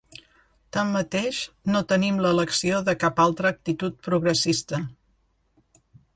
Tanmateix no tenim l'elecció de cap altra actitud progressista.